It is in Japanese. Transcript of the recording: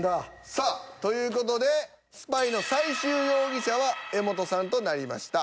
さあという事でスパイの最終容疑者は柄本さんとなりました。